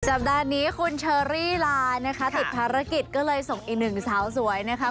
สัปดาห์นี้คุณเชอรี่ลานะคะติดภารกิจก็เลยส่งอีกหนึ่งสาวสวยนะคะ